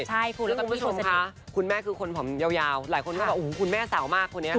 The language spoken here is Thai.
แล้วคุณผู้ชมค่ะคุณแม่คือคนผอมยาวหลายคนก็บอกคุณแม่สาวมากคนนี้